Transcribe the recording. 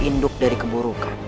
induk dari keburukan